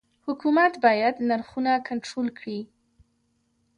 حکومت باید نرخونه کنټرول کړي؟